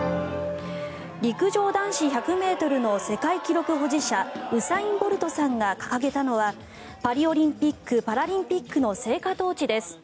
陸上男子１００ｍの世界記録保持者ウサイン・ボルトさんが掲げたのはパリオリンピック・パラリンピックの聖火トーチです。